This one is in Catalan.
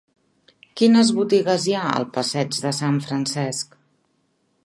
Quines botigues hi ha al passeig de Sant Francesc?